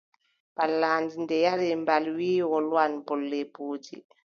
Pallaandi nde yari mbal, wiʼi wolwan bolle mboodi.